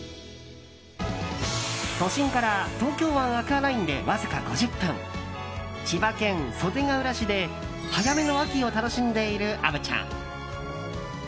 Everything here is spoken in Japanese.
都心から東京湾アクアラインでわずか５０分千葉県袖ケ浦市で早めの秋を楽しんでいる虻ちゃん。